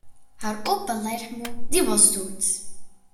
It is also part of Derry and Strabane district.